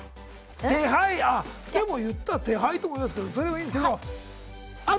あっでも言ったら手牌とも言いますけどそれでもいいんですけどもあと